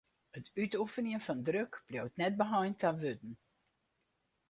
It útoefenjen fan druk bliuwt net beheind ta wurden.